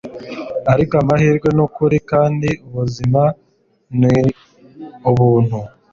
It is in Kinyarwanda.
ariko amahirwe nukuri, kandi ubuzima ni ubuntu